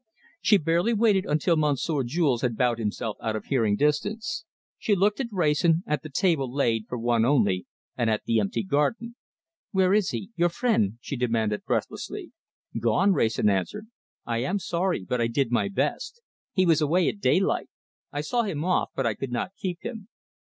She barely waited until Monsieur Jules had bowed himself out of hearing distance. She looked at Wrayson, at the table laid for one only, and at the empty garden. "Where is he your friend?" she demanded breathlessly. "Gone," Wrayson answered. "I am sorry, but I did my best. He went away at daylight. I saw him off, but I could not keep him."